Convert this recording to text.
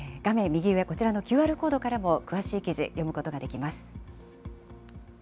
右上、こちらのＱＲコードからも、詳しい記事、読むことができます。